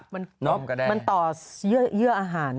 มันต่อเยื่ออาหาร